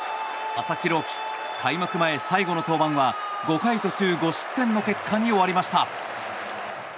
佐々木朗希、開幕前最後の登板は５回途中５失点の結果に終わりました。